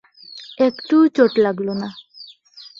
একটুও চোট লাগলো না!